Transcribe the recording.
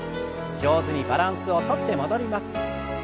上手にバランスをとって戻ります。